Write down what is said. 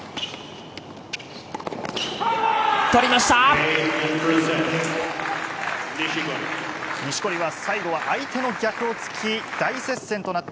取りました。